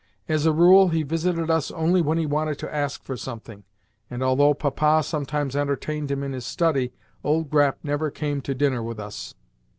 As a rule, he visited us only when he wanted to ask for something, and although Papa sometimes entertained him in his study, old Grap never came to dinner with us.